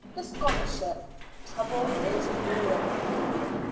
THE SCHOLARSHIP: TROUBLE IS BREWING.